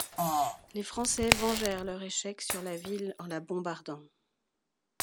Les Français vengèrent leur échec sur la ville en la bombardant.